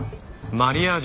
マリアージュ。